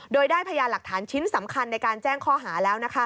โดยได้พยานหลักฐานชิ้นสำคัญในการแจ้งข้อหาแล้ว